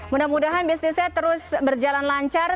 mudah mudahan bisnisnya terus berjalan lancar